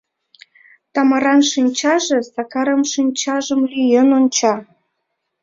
Тамаран шинчаже Сакарым шинчажым лӱен онча.